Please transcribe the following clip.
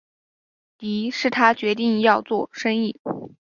於是他决定要做生意